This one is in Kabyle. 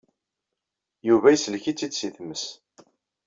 Yuba isellek-itt-id seg tmes.